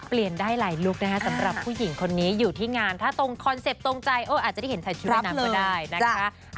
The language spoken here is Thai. เปลี่ยนได้หลายลุคนะคะสำหรับผู้หญิงคนนี้อยู่ที่งานถ้าตรงคอนเซ็ปต์ตรงใจอาจจะได้เห็นใส่ชุดว่ายน้ำก็ได้นะคะ